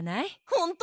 ほんと？